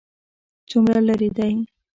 څومره لیرې دی؟